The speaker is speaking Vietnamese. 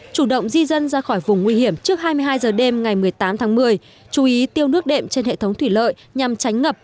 chủ động di dân ra khỏi vùng nguy hiểm trước hai mươi hai h đêm ngày một mươi tám tháng một mươi chú ý tiêu nước đệm trên hệ thống thủy lợi nhằm tránh ngập